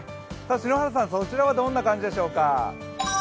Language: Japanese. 篠原さん、そちらはどんな感じでしょうか。